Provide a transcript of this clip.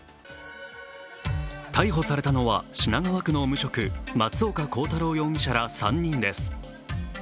逮捕されたのは、品川区の無職松岡洸太郎容疑者ら３人です。